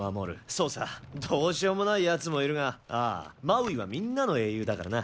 そうさどうしようもないやつもいるがああ、マウイはみんなの英雄だからな。